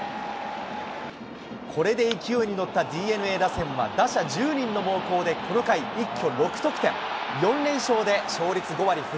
これで勢いに乗ったＤｅＮＡ打線は、打者１０人の猛攻で、この回、一挙６得点。